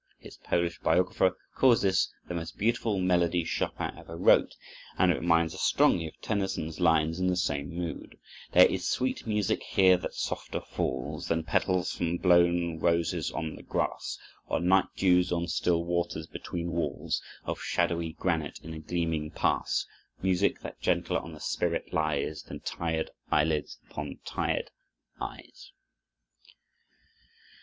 His Polish biographer calls this the most beautiful melody Chopin ever wrote, and it reminds us strongly of Tennyson's lines in the same mood: "There is sweet music here that softer falls Than petals from blown roses on the grass, Or night dews on still waters between walls Of shadowy granite, in a gleaming pass; Music that gentler on the spirit lies Than tired eyelids upon tired eyes."